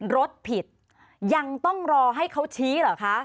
รถผิดยังต้องรอให้เขาชี้เหรอคะ